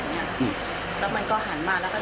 ก็ดึกแล้วมันก็ฟันอะไรกัน